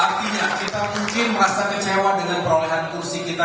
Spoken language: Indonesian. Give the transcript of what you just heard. artinya kita mungkin merasa kecewa dengan perolehan kursi kita